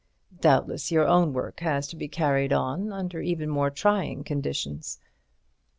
Doubtless your own work has to be carried on under even more trying conditions."